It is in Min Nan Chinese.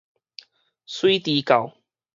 媠豬教